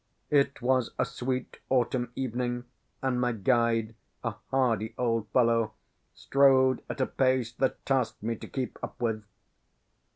It was a sweet autumn evening, and my guide, a hardy old fellow, strode at a pace that tasked me to keep up with.